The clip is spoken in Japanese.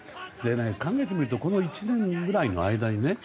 考えてみるとこの１年くらいの間にね